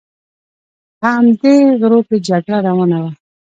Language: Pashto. په همدې غرو کې جګړه روانه وه.